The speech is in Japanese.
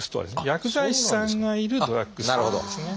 薬剤師さんがいるドラッグストアですね。